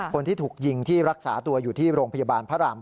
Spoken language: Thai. คนที่ถูกยิงที่รักษาตัวอยู่ที่โรงพยาบาลพระราม๘